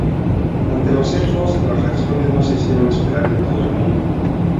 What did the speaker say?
Ante los hechos, las reacciones no se hicieron esperar en todo el mundo.